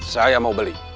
saya mau beli